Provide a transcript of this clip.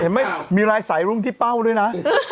เห็นไหมมีลายสายรุ่นที่เป้าด้วยนะ